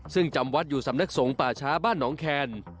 ซึ่งจำวัดอยู่สำนักสงฆ์ป่าช้าบ้านน้องแคน